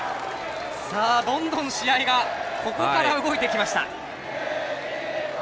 どんどん試合がここから動いてきました。